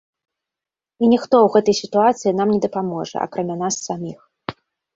І ніхто ў гэтай сітуацыі нам не дапаможа, акрамя нас саміх.